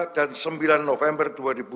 dan sembilan november dua ribu dua puluh dua